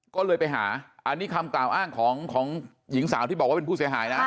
ก็เลยไปหาอันนี้คำกล่าวอ้างของหญิงสาวที่บอกว่าเป็นผู้เสียหายนะ